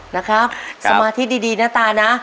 นะครับสมาธิดีนะตานะ